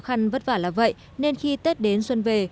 khó khăn vất vả là vậy nên khi tết đến xuân về